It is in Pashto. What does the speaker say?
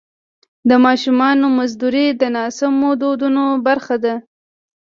د ماشومانو مزدوري د ناسمو دودونو برخه ده.